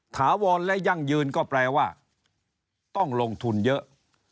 ถาวรและยั่งยืนก็แปลว่าต้องลงทุนเยอะ